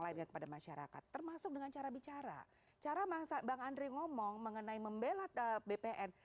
lainnya kepada masyarakat termasuk dengan cara bicara cara masa bang andre ngomong mengenai membelat bpn